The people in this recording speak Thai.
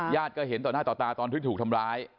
ก็เห็นต่อหน้าต่อตาตอนที่ถูกทำร้าย